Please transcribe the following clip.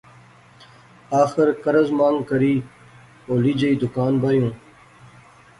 آخر قرض مانگ کری ہولی جئی دکان بائیوں